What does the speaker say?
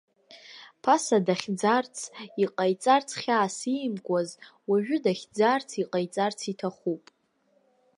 Ԥаса дахьӡарц, иҟаиҵарц хьаас иимкуаз, уажәы дахьӡарц, иҟаиҵарц иҭахуп.